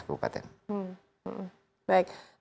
itu yang dilakukan oleh pemerintah